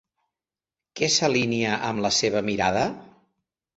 Què s'alinea amb la seva mirada?